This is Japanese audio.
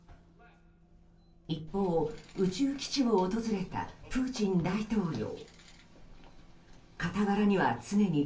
一方、宇宙基地を訪れたプーチン大統領。